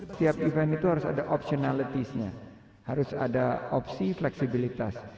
setiap event itu harus ada optionalities nya harus ada opsi fleksibilitas